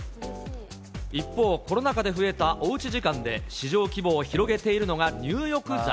一方、コロナ禍で増えたおうち時間で、市場規模を広げているのが入浴剤。